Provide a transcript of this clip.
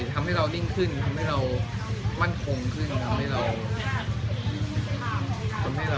มันทำให้เรานิ่งขึ้นมั่นคงขึ้นทำให้เรานั่นแหละ